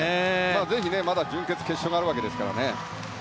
ぜひまだ準決、決勝があるわけですからね。